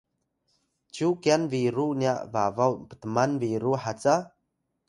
cyu kyan biru nya babaw ptman-biru haca?